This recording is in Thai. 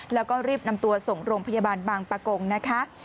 แล้วก็รีบนำตัวส่งโรงพยาบาลบางปะกงนะคะ